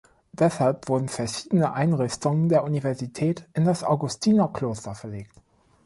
Deshalb wurden verschiedene Einrichtungen der Universität in das Augustinerkloster verlegt.